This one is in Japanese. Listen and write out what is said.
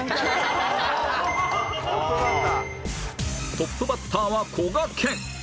トップバッターはこがけん